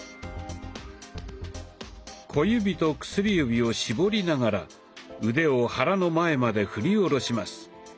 小指と薬指を絞りながら腕を肚の前まで振り下ろします。